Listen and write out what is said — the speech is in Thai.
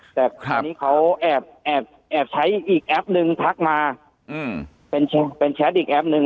แต่คราวนี้เขาแอบใช้อีกแอปนึงทักมาเป็นแชทอีกแป๊บนึง